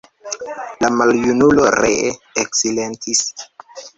La maljunulo ree eksilentis.